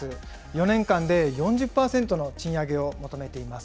４年間で４０％の賃上げを求めています。